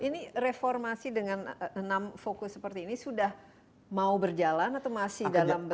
ini reformasi dengan enam fokus seperti ini sudah berhasil